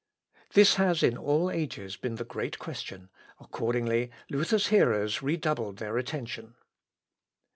This has, in all ages, been the great question; accordingly Luther's hearers redoubled their attention.